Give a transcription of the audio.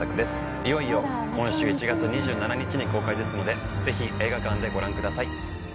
いよいよ今週１月２７日に公開ですのでぜひ映画館でご覧ください。